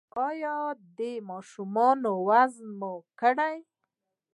ایا د ماشومانو وزن مو کړی؟